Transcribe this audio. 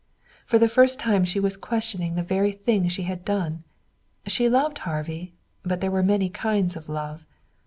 For the first time she was questioning the thing she had done. She loved Harvey but there were many kinds of love.